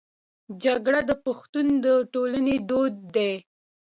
جرګه د پښتنو د ټولنې دود دی